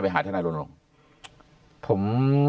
ไปหาท่านลงผม